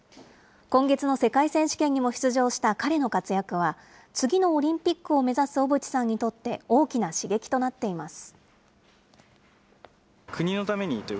今月の世界選手権にも出場した彼の活躍は、次のオリンピックを目指す小渕さんにとって大きな刺激となっています。